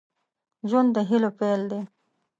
ژوند د هيلو پيل دی